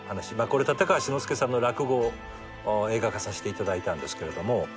これ立川志の輔さんの落語を映画化させていただいたんですけれども。